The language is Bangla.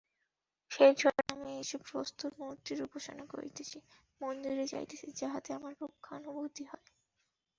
সেইজন্যই আমি এইসব প্রস্তরমূর্তির উপাসনা করিতেছি, মন্দিরে যাইতেছি, যাহাতে আমার প্রত্যক্ষানুভূতি হয়।